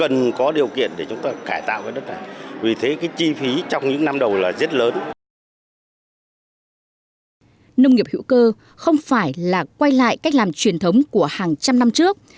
nông nghiệp hữu cơ không phải là quay lại cách làm truyền thống của hàng trăm năm trước